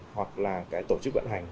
hoặc là cái tổ chức vận hành